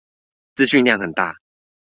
資訊量很大